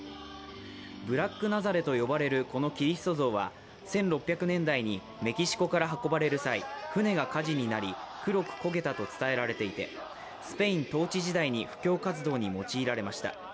ブラックナザレと呼ばれるこのキリスト像は１６００年代にメキシコから運ばれる際、船が火事になり、黒く焦げたと伝えられていてスペイン統治時代に布教活動に用いられました。